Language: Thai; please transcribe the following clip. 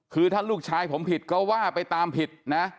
คือถ้าลูกชายผมผิดก็ว่าไปตามผิดนะ